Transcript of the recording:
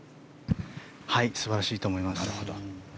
素晴らしいと思います。